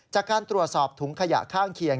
จากการตรวจสอบถุงขยะข้างเคียง